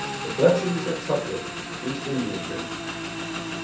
1>> THE VERTUES OF CHOCOLATE East India Drink.